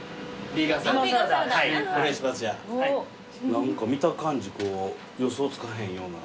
何か見た感じ予想つかへんような。